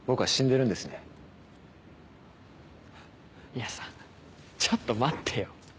いやさちょっと待ってよ。